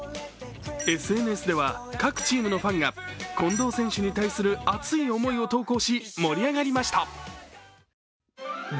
ＳＮＳでは各チームのファンが近藤選手に対する熱い思いを投稿し、盛り上がりました。